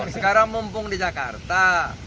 sekarang mumpung di jakarta